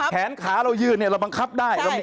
แขนขาเรายืนเนี่ยเราบังคับได้